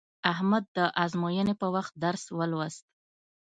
احمد د ازموینې په وخت درس ولوست.